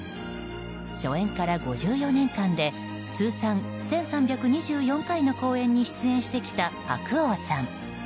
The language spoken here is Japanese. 初演から５４年間で通算１３２４回の公演に出演してきた白鸚さん。